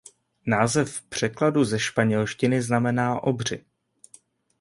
Název v překladu ze španělštiny znamená "Obři".